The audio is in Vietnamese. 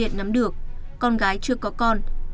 bà không thể nắm được con gái chưa có con